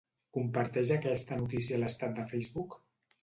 Comparteix aquesta notícia a l'estat de Facebook.